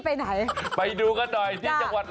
ปี้คนนี้นั้นมีแต่ให้